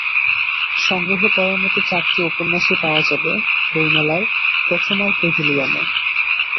সংগ্রহ করার মতো চারটি উপন্যাসই পাওয়া যাবে বইমেলায় প্রথমার প্যাভিলিয়নে।